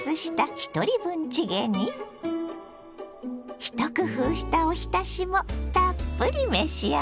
一工夫したおひたしもたっぷり召し上がれ。